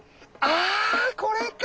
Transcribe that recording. あこれか。